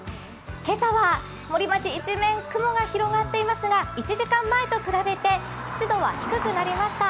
今朝は森町、一面雲が広がっていますが１時間前と比べて湿度は低くなりました。